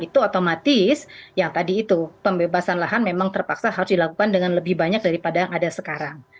itu otomatis yang tadi itu pembebasan lahan memang terpaksa harus dilakukan dengan lebih banyak daripada yang ada sekarang